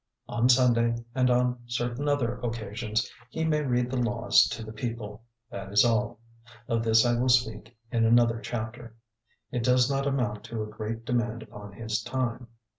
On Sunday, and on certain other occasions, he may read the laws to the people, that is all. Of this I will speak in another chapter. It does not amount to a great demand upon his time.